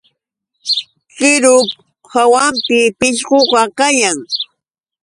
Qirup hawampa pishqupa kayan.